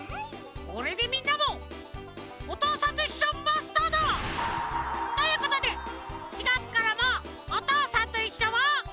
これでみんなも「おとうさんといっしょ」マスターだ！ということで４がつからも「おとうさんといっしょ」を。